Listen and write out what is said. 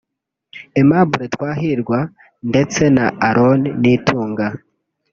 Aimable Twahirwa ndetse na Aaron Nitunga”